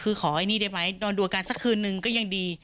คือขอไอ้นี่ได้ไหมนอนดูอาการสักคืนนึงก็ยังดี